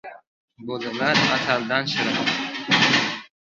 • Bolalar asaldan shirin.